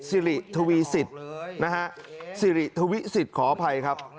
สิริทวีสิทธิ์นะฮะสิริทวิสิทธิ์ขออภัยครับ